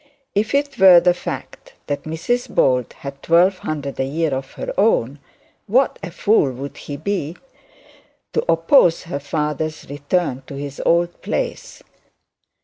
If it were the fact that Mrs Bold had twelve hundred a year of her own, what a fool would he be to oppose her father's return to his old place.